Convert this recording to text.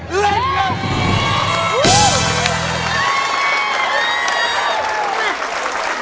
เล่น